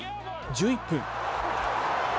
１１分。